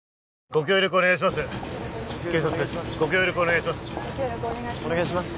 ご協力お願いします